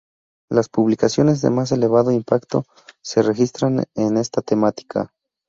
Las publicaciones de más elevado impacto se registran en esta temática.